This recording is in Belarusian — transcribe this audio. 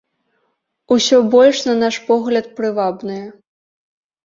Усё больш, на наш погляд, прывабныя.